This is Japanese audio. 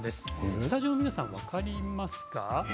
スタジオの皆さん、分かりますか。